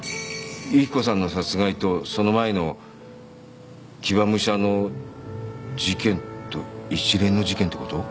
雪子さんの殺害とその前の騎馬武者の事件と一連の事件ってこと？